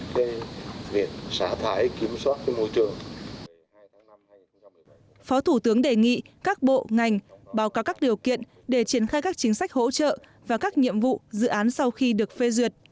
phó thủ tướng đề nghị các bộ ngành báo cáo các điều kiện để triển khai các chính sách hỗ trợ và các nhiệm vụ dự án sau khi được phê duyệt